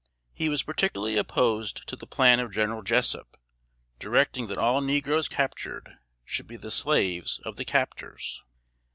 He was particularly opposed to the plan of General Jessup, directing that all negroes captured should be the slaves of the captors.